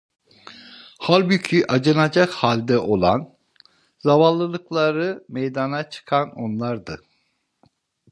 Halbuki acınacak halde olan, zavallılıkları meydana çıkan onlardı.